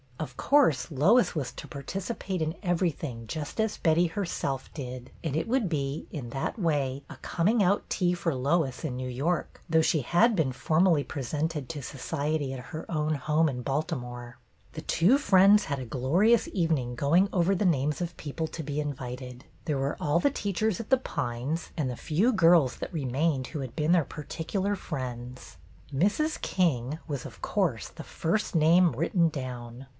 Of course Lois was to participate in every thing just as Betty herself did, and it would be, in that way, a coming out tea for Lois in New York, though she had been formally presented to society at her own home in Baltimore. The two friends had a glorious evening going over the names of people to be invited. There were all the teachers at The Pines and the few girls that remained who had been their particular friends. Mrs. King was, of course, the first name written down.